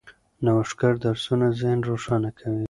نوښتګر درسونه ذهن روښانه کوي.